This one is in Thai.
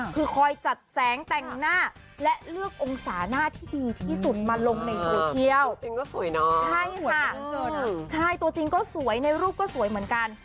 คือคอยจัดแสงแต่งหน้าและเลือกองศาหน้าที่ดีที่สุดมาลงในโซเชียลใช่ค่ะใช่ตัวจริงก็สวยในรูปก็สวยเหมือนกัน